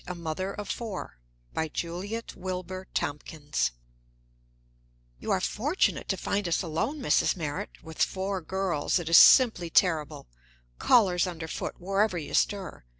A MOTHER OF FOUR BY JULIET WILBOR TOMPKINS "You are fortunate to find us alone, Mrs. Merritt. With four girls, it is simply terrible callers underfoot wherever you stir.